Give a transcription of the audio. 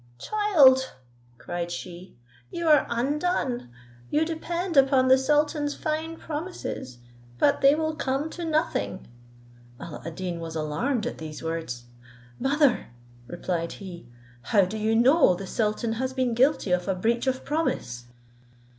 "Child," cried she, "you are undone! You depend upon the sultan's fine promises, but they will come to nothing." Alla ad Deen was alarmed at these words. "Mother," replied he, "how do you know the sultan has been guilty of a breach of promise?"